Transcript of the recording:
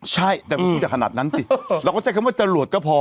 ใช่แต่ไม่รู้จะขนาดนั้นสิเราก็ใช้คำว่าจรวดก็พอ